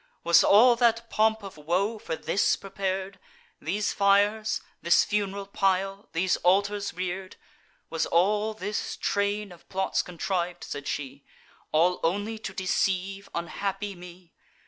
"Was all that pomp of woe for this prepar'd; These fires, this fun'ral pile, these altars rear'd? Was all this train of plots contriv'd," said she, "All only to deceive unhappy me?